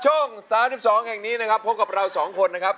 ช่อง๓๒แห่งนี้นะครับพบกับเรา๒คนนะครับ